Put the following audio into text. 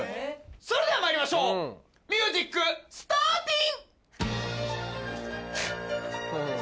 それではまいりましょうミュージックスターティン！